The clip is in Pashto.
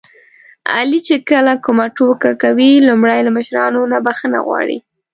علي چې کله کومه ټوکه کوي لومړی له مشرانو نه بښنه غواړي.